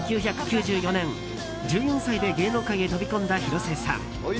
１９９４年、１４歳で芸能界へ飛び込んだ広末さん。